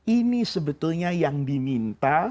ini sebetulnya yang diminta